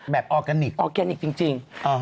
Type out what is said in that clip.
ออร์แกนิคออร์แกนิคจริง